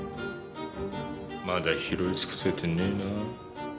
まだ拾い尽くせてねえな。